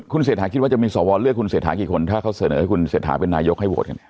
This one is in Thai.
คุณเสถาคิดว่าจะมีสอบวอร์เลือกคุณเสถากี่คนถ้าเขาเสนอให้คุณเสถาเป็นนายกให้โหวตกัน